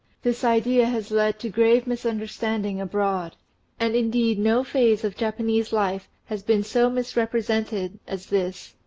This idea has led to grave misunderstanding abroad, and indeed no phase of Japanese life has been so misrepresented as this.